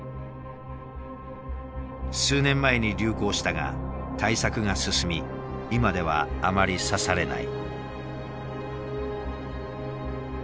数年前に流行したが対策が進み今ではあまり指されない。